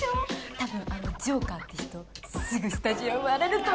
多分あのジョーカーって人すぐスタジオ呼ばれると思う。